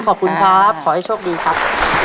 ขอบคุณครับขอให้โชคดีครับ